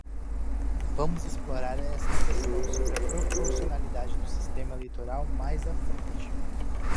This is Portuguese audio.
Vamos explorar esta questão sobre a proporcionalidade do sistema eleitoral mais à frente.